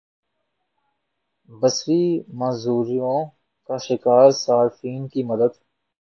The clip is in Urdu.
بصری معذوریوں کا شکار صارفین کی مدد